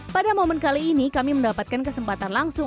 pada momen kali ini kami mendapatkan kesempatan langsung